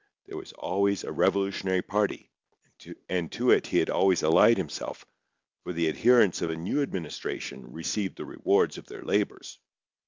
There was always a revolutionary party; and to it he had always allied himself; for the adherents of a new administration received the rewards of their labours.